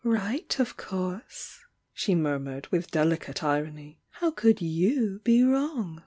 "Right, of course!" she murmured, with delicate irony. "How could you be wrong!"